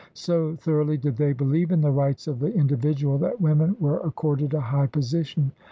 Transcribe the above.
So thoroughly did they believe in the rights of the individual that women were accorded a high posi tion.